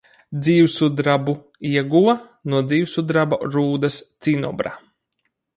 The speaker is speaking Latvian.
Dzīvsudrabu ieguva no dzīvsudraba rūdas – cinobra.